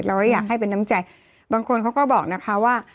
เราก็อยากให้เป็นน้ำใจบางคนเขาก็บอกนะคะว่า